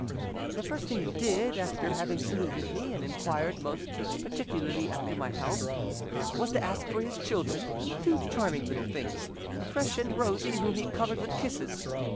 The first thing he did, after having saluted me and inquired most particularly after my health, was to ask for his children, two charming little things, fresh and rosy, whom he covered with kisses.